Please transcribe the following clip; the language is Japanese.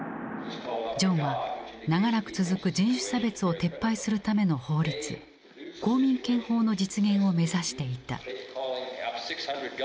ジョンは長らく続く人種差別を撤廃するための法律公民権法の実現を目指していた。